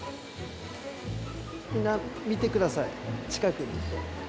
みんな見てください、近くで。